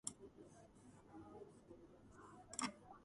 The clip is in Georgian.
დიმიტრი უზნაძის სახელობის პრემიის ლაურეატი.